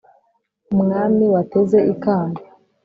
Umwami wateze ikamba,